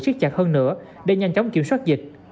siết chặt hơn nữa để nhanh chóng kiểm soát dịch